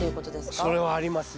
それはありますよ。